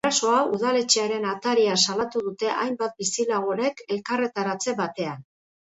Erasoa udaletxearen atarian salatu dute hainbat bizilagunek elkarretaratze batean.